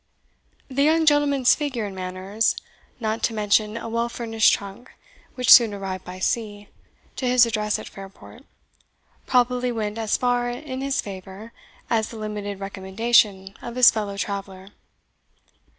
The young gentleman's figure and manners; not to mention a well furnished trunk, which soon arrived by sea, to his address at Fairport, probably went as far in his favour as the limited recommendation of his fellow traveller.